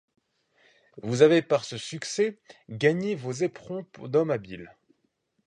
Vous avez par ce succès gagné vos éperons d'homme habile.